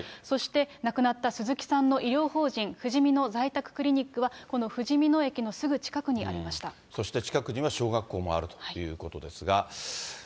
そして、亡くなった鈴木さんの医療法人、ふじみ野在宅クリニックは、このふじみ野駅のすぐ近くにありましそして、近くには小学校もあるということですが。